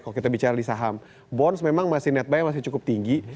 kalau kita bicara di saham bonds memang masih net buy nya masih cukup tinggi